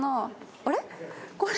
あれ？